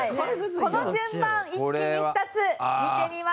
この順番一気に２つ見てみましょう。